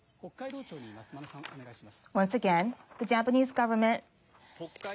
北海道庁にいます眞野さん、お願いします。